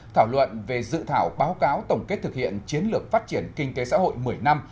thảo luận về dự thảo báo cáo tổng kết thực hiện chiến lược phát triển kinh tế xã hội một mươi năm